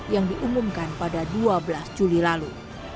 yang diumumkan pada dua belas juli lalu